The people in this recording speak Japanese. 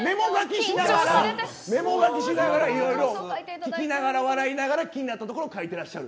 メモ書きしながら聞きながら笑いながら気になったところを書いていらっしゃる。